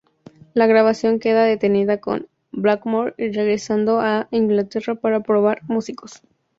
La grabación queda detenida con Blackmore regresando a Inglaterra para probar músicos.